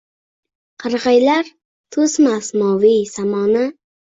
Qarag’aylar to’smas moviy samoni.